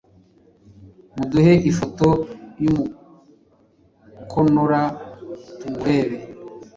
muduhe ifoto y’umukonora tuwurebe